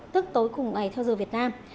tức tối cùng ngày theo giờ việt nam